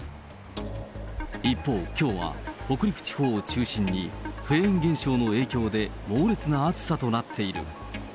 一方、きょうは北陸地方を中心に、フェーン現象の影響で猛烈な暑さとなっている。